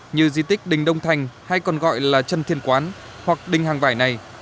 như di tích đình đông thành hay còn gọi là trần thiên quán hoặc đình hàng vải này